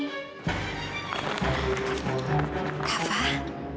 aku mau pergi ke rumah